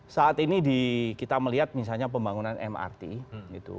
saat ini kita melihat misalnya pembangunan mrt gitu